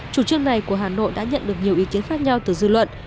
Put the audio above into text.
chủ trương này của hà nội đã nhận được nhiều ý kiến khác nhau từ dư luận